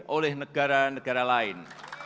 oleh negara negara lain